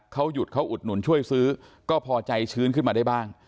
เขาหยุดเขาอุดหนุนช่วยซื้อก็พอใจชื้นขึ้นมาได้บ้าง